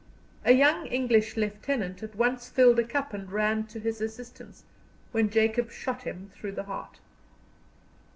A young English lieutenant at once filled a cup and ran to his assistance, when Jacob shot him through the heart.